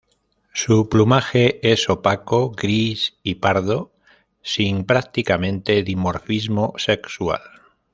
Su plumaje es opaco; gris y pardo, sin prácticamente dimorfismo sexual.